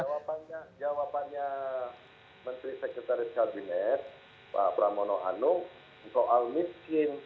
jawabannya menteri sekretaris kabinet pak pramono anung soal miskin